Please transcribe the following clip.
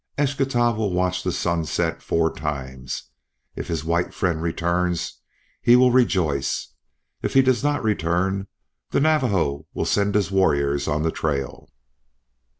Eschtah will watch the sun set four times. If his white friend returns he will rejoice. If he does not return the Navajo will send his warriors on the trail."